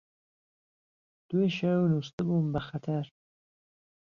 دوێ شهو نوستبوم به خهتهر